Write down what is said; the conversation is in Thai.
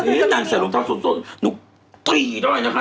นี่นางเสียลมเทาสุดหนูตีด้วยนะคะ